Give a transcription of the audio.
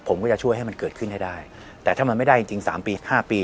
ผมก็จะช่วยให้มันเกิดขึ้นให้ได้แต่ถ้ามันไม่ได้จริงจริงสามปีห้าปี